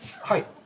はい。